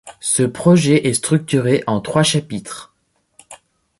Ce projet est structuré en trois chapitres.